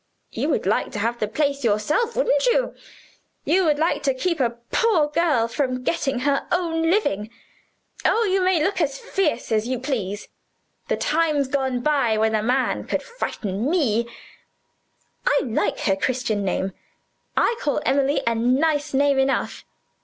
You would like to have the place yourself, wouldn't you? You would like to keep a poor girl from getting her own living? Oh, you may look as fierce as you please the time's gone by when a man could frighten me. I like her Christian name. I call Emily a nice name enough.